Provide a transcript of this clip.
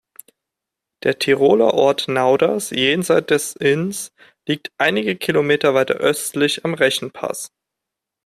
Der Tiroler Ort Nauders jenseits des Inns liegt einige Kilometer weiter östlich am Reschenpass.